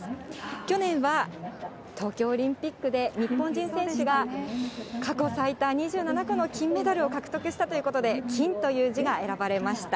去年は東京オリンピックで日本人選手が、過去最多２７個の金メダルを獲得したということで、金という字が選ばれました。